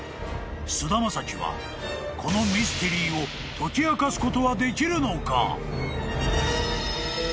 ［菅田将暉はこのミステリーを解き明かすことはできるのか？］